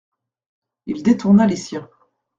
Il détourna les siens.